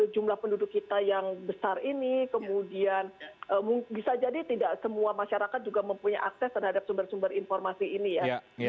jumlah penduduk kita yang besar ini kemudian bisa jadi tidak semua masyarakat juga mempunyai akses terhadap sumber sumber informasi ini ya